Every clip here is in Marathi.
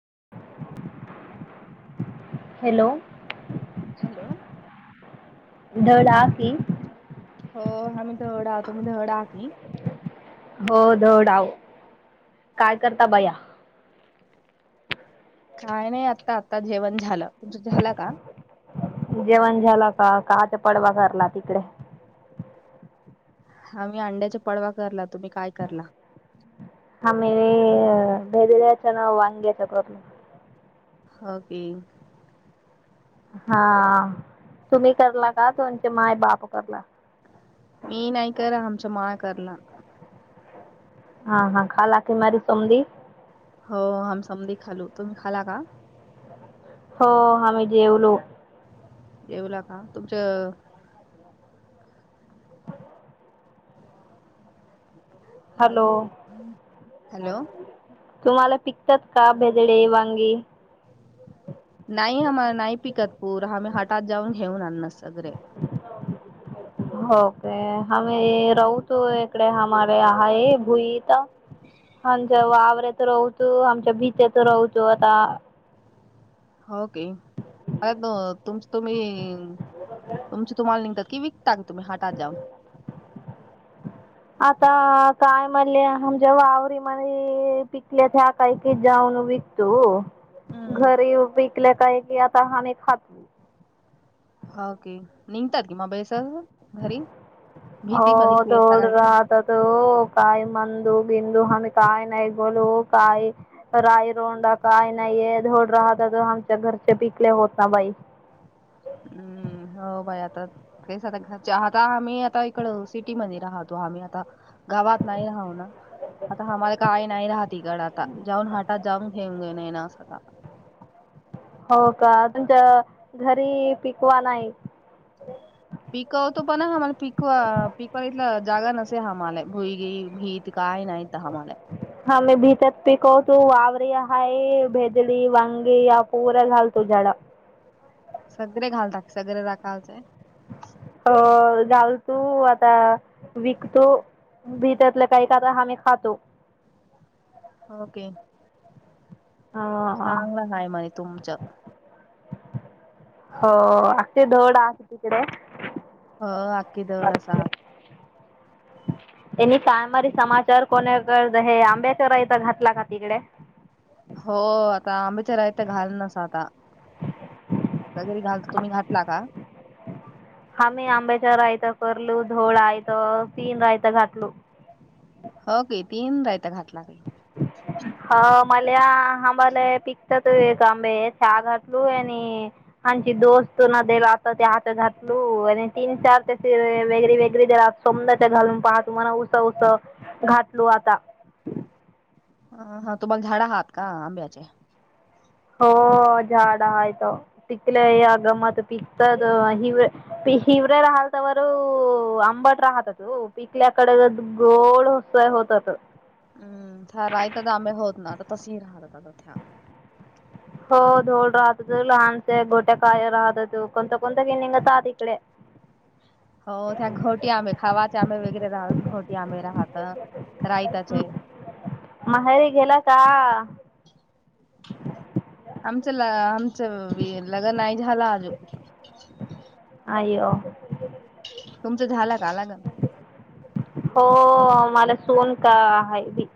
[inaudible] हॅलो! हॅलो. धडा की, हो म्हणून तर एवढा [unintelligible] की हो -धोडाव काय करता बया? काय नाही आता -आत्ताच जेवण झालं. तुमचं झालं का? जेवण झाला का? का [unintelligible] आम्ही अंड्याच्या पडवा करला. तुम्ही काय करला? आमी - [unintelligible] वांग्याच्या करल. ‌ हो की. हा -तुम्ही करला का तुमचे माय बाप [unintelligible] मी नाही कर आमच्या माया करला. हा हा खाल्ला की नाही समदी. हो आम्ही समदे खाल्लो. तुम्ही खाला का? हो आम्ही जेवलो. जेवला का तुमचं हॅलो हॅलो तुम्हाला पिकतात का [unintelligible] वांगे? नाही हो नाही पिकत पूर आम्ही मठात जाऊन अन्न [unintelligible] सगरं - अ आमी राउतो इकडे [unintelligible] हां जेवा आ- राऊतो, आमच्या भीतेत राऊतो आता- हो की, मग तुमचं तुम्ही- तुमची तुम्हाला निघतात- कि विकतान तुम्ही [unintelligible] आता काय म्हले? आम जेव्हा आवर म पिकले का पैक द्या मं विकतो हो - हम्म घरी विकल्या काय की आ- [unintelligible] खात्री होे की [unintelligible] भीतीमध्ये हो, पेरता [unintelligible] काय की राहता तो काय म्हण- [unintelligible] काय नाही बोलू काय ना ई रोंडा काय नाही धोड राहत तर आमच्या घरचे पिकले होता बाई. हम्म- हो बाई, आता तेच आता आम्ही आता इकड सिटी मध्ये राहतो आम्ही आता गावात नाही राहू ना आता आम्हाला काय नाही राहत इकड आता जाऊन हटात जाऊन घेऊन घेऊन ना असं आता- हो का? तुमच्या घरी -पिकवा नाही- पिकवतो पण, आमाला पिकवा पिकवायला इथला जागा नसे हमाला भुईगी भीत काय नाहीत- हा मे भीतर- पिकवतो वावर हाय भेदळी वंगी या पूरल हल तू जड- सगळेे घालता सगळे टाकायचंय? हो, घालतो आता विकतो भी त्यातलं काही काता आमही खातो- ओके. अं, [unintelligible] तुमच- हो- [unintelligible] आहे तिकड- अ आखखी [unintelligible] त्यांनी कायमारी समाचार कोणाक हे आंब्याच्या रा इथ घातला का तिकडे हो आता आंबेच्या राहत घाल नस आता घाल तुम्ही घला का आ्ही आंब्याच्या रायता करलू धोळायथ तीन रायता घातलू होगतीन रायता का घा ला काही हो मला आंबाला पिकतात एक आंबे चहा घातलू आणि आची दोस्त न देला आता त्या हात घातलू आणि तीन चार त्या वेगरी वेग दला सोमच्या घालून पाहत म्हणा उस उस घातलू आता ह हा तुम्हाग झाडा हाात का आंब्याचेे हो झाड पिकल्या गमत पिकतात हिे हिवरे राहाल तरवर आंबट राहतात पिकल्याकडे गोड होसय होतात हम्म रायत आमही होत ना आता तसही राहत आता त्या हो धोड राहत हो लहानच गोट्या काय राहतात कोणत कोणत गिनिंगत आहात इिकडे गैरे राहत घोटी आंबे राहत रायताचे माहेरी गेला का आमचं आमचं लग्न नाही झालं आजू अयो तुमचं झालं काला ग हो मला सोन का आहेी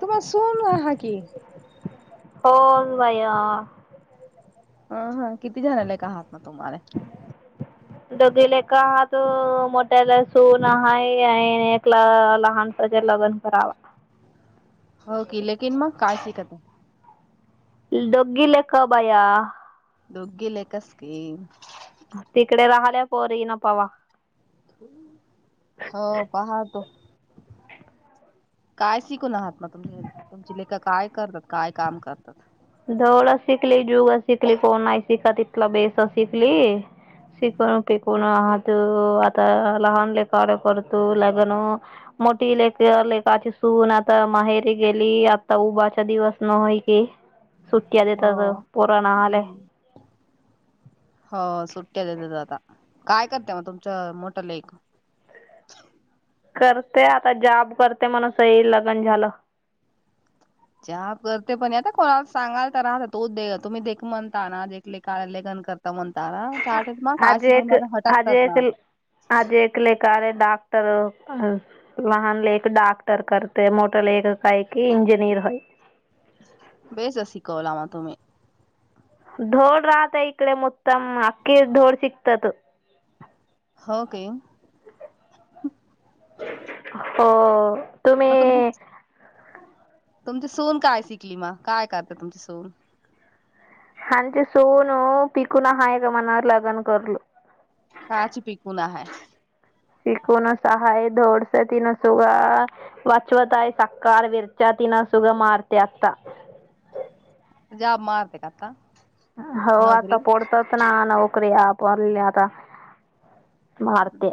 तुम्हा सुन हा की होन बाया हा-हा किती जणालाय कात म तु मारे दघेल एका हात मोठ्याला सुन हाय हाय आणि एकला लहानपज लग्न करावा हो की लेकिन मग काय शिकत डोगी लेक बाया दोघी लेकस की तिकडे राहल्या पोरी न पावा हो पहा तो काय शिकून आहात ना तुम तुमची लेख काय करतात काय काम करतात? दोघ शिकली जुग शिकली कोण नाही शिका तथला बेस शिकली शिकून की कोण आहात आता लहान लेख करतो लग्न मोठी लेख लेकाची सून आता माहेरी गेली आता उभाचा दिवस न होय की सुट्टी हो आल्यात पोरानं हम्म हो नालायत सुट्ट्या आता काय करते मग तुमच मोठ लेक करते आता जॉब करते म्हण सही लग्न झालं च करते पण आता कोणाला सांगाल तर राहत तो दे तुम्ही देख म्हणता ना देकले का लेगन करता तमतार चार्टत मा का आज शिक एक आज हटागतात एक ना डक्टर वाहन लेख डाक्टर करते मोठा लेख काय कि इंजिनीयर हाय बेसस शिकवला तुम्ही धोड राहत इकडे मोटाम अखी ढोड शिकतात हो काय हो मग तुमची तुम्ही तुमची सून काय शिकली म काय करते तुमची सून आणि ते सुन पिकून हाय का मनावर लगन करल. काच पिकून हाय. शिकून सहाय धोडस तिनं सुगा वाचवत आहे सकार विरच तिन सुग मारते आता पजाब मारते काका हो आता पोडतात ना न- शुक्रिया आपल्याता मारते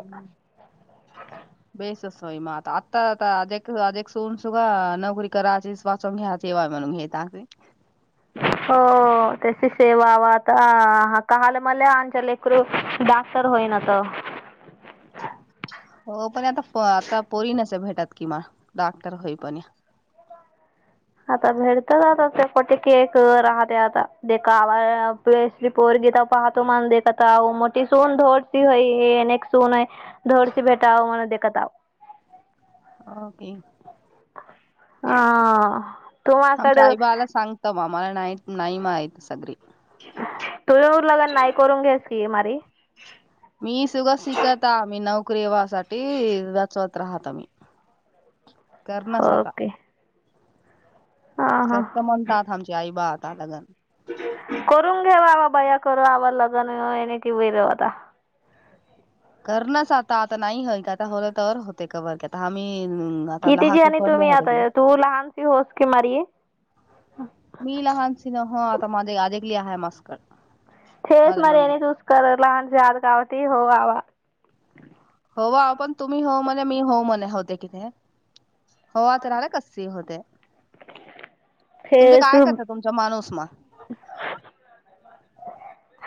म आ आता अ अ सून सु का नोकरी करायची वाचवून घ्यायचीवय म्हणून घ अग हो त्याची सेवावा आता काल मला अच्या लेकरू डाक्टर होईना त हो पण आता आता पोरी नच भेटात किमान डाक्टर होई पण आता भेडतच आता ते पोटे केक राहते आता दे का आवासली पोर गीता पाहतो म्हण दे काता मोठी सून धोडशी होई हे अनेक सून आहे धरस भेट आ म कदव ओके हा तुम्हाकडं मला नाहीत नाही मा आहेत सगळे तुझ उरलाग नाही करून घ्यास मारी मी सुगा शिकत आम्ही नोकरीवासाठी वाचवत राहत आ मी कर्णसादा ओके हा हा करत म्हणतात आमची आई बाात कालाग करून घेऊ आवा बया करू आवा लग्नने कि रेवता करणच आता-आता नाही आहे का आता होलं तर होते कबर आता आम्ही आता किती लहा जी क आणि पडल्या तुम्ही होत आता तू लहानशी होस की मारी मी लहान सन आता माझे आ लि आहे मस्कर च मरेणे चुस कररा लाान जा काबट हो बावा होवा पण तुम्ही हो म्हणे मी हो म्हणे होते किथे होवा तर आला कसस होते तुमचे काय थेस करता तुमचा माणूस म अच्छा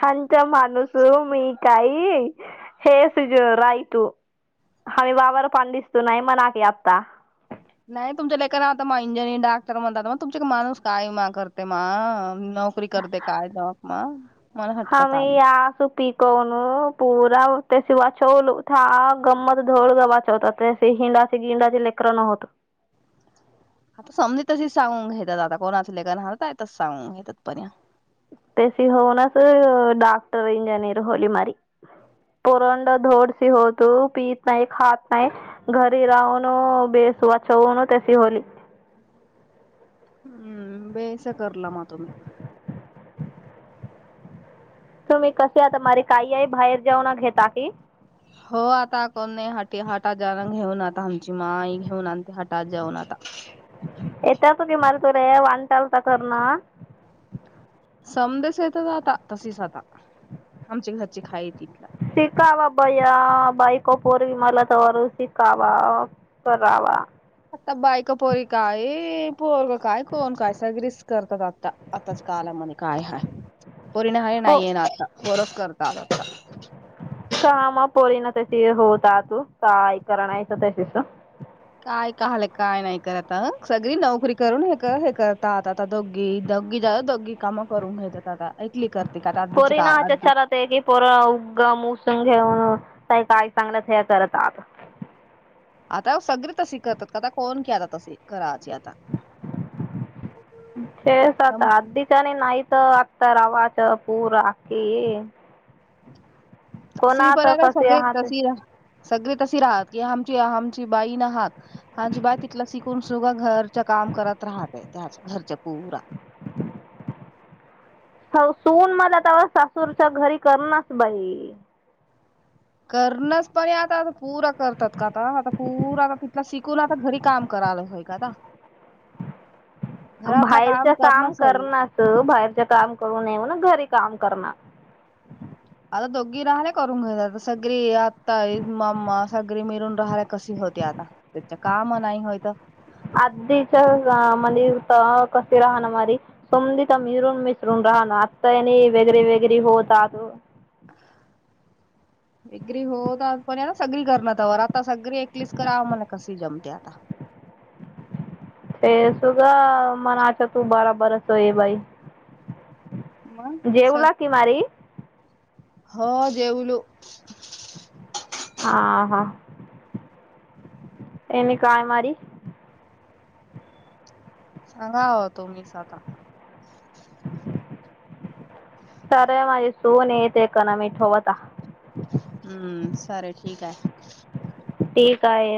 पच मनस मी काय हे सुजो राईतू हमी बाबाार पंडीस्ना मनाकी अता नाही तुमच्या ललेकन आता म इंजिनिअर डाक्टर म्हणतात मग तुमचे माणूस काय मा करते मा नोकरी करते काय जॉब मा मला हम हटकत आले या सुपी कोन पूरा ते वाचवल गंमत धोळ वाचवतात हिंडाचे गिंडाचे लेकर न होत. आता समज तशीच सांगून घेतात आता कोणात लेकर हलतय त सांगून घेतात पण तशी होऊनच डॉक्टर इंजिनीयर होली मारी पोरंड धोडशी होत पत नाही खात नाही घरी राहून बेस वाचवन तशी होली हम्म बेस करला म तुम्ही तुम्ही कसे आता मारी काहीई बाहेर जाेऊना घेता की हो आता कोण नाही हटी हाटाज घेऊन आता आमची माई घेऊन आण ह आज जाऊन आता त्यातून जी माल तो रे वानटल तर कर ना समदेस येत आता तशीस आता हामची घरची खाई तिथला शिकावा बैया बाईको पोरवी मला त वर शिकावा करावा आता बायका पोरी काय पोर काय कोण काय सगरस करतात आता आताच्या कालामध्ये काय हाय. पोरीने हाय हो नाहीये ना आता पोरस करत आता पोरी ना तशी होत ता तू काय करणायच तशीच काय काहल काय नाही करत सगळी नोकरी करून हे हे करतात आता दोघी-दोघीच दोघी कामं करून घेतात आता ऐकली करते का आता आधीची पोरी का ना आधी अच्छाचा राहते की पोरा उग मु संगे घेऊन काय-काय चांगलंच हे करत आता आता सगळी तसी करतात काता कोण केरत तसी करात. तेच आता सम- अधीच्याने नाहीत त आता रावाच पूर आती सि पऱ्याग कसे सगळे आहात तसी राह सगळे तशी राहती हे हामची हे हामची बाई न हात अजिबात तितल शिकुन सुबा घरच्या काम करत राहते त्याच घरचे पुरा अव सून मला तवा सासूरच्या घरी करणास बाई ई करणच परे आता पूरा करतात का आता आता पूरा आ तिथला शिकून आता घरी काम करायला होय का आता. अम् घरातला बाहेरचा करणं काम सोयी करणास तु बाहेरच्या काम करू येेऊ न घरी काम. करना. आता दोघी राहल्या करून घराच सगरी आता एग मामा सगरी मिरून राहाला कशी होती आता त्याच्या काम नाही होयत. आधीच्या अ मंदिर पहा कसे राहणं मारी समधी तमी मिरून मिसरून राहणं आत्ताने वेगरे वेगैरे होतात. वग्री होत आज पण सगळी करण वरात. आता सगरी एकलीच कराव मला कसी जम. त्या ता. ते सुगा मनाच्या तू बरा बरस ये बाई. मग सग जेवला की मारी. हो जेवलु. आ हा, एने काय मारी. सांगा ओ तोमीच आता सर माझे सोने येक ना मी ठेवता. हम्म सारे ठीक आहे ते काय.